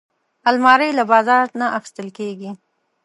الماري له بازار نه اخیستل کېږي